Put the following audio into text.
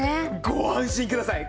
ご安心ください！